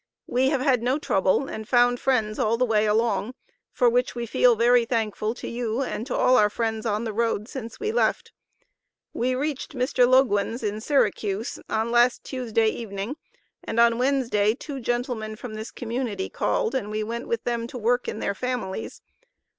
We have had no trouble and found friends all the way along, for which we feel very thankful to you and to all our friends on the road since we left. We reached Mr. Loguen's in Syracuse, on last Tuesday evening & on Wednesday two gentlemen from this community called and we went with them to work in their families.